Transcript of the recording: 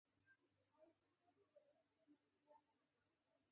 بادرنګ د خوړو جذب ښه کوي.